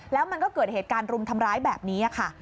แล้วมันก็เกิดเหตุการณ์รุมทำร้ายแบบนี้ค่ะ